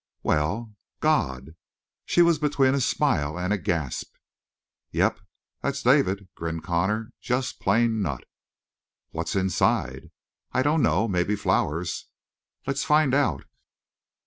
"Well?" "God!" She was between a smile and a gasp. "Yep, that's David," grinned Connor. "Just plain nut." "What's inside?" "I don't know. Maybe flowers." "Let's find out."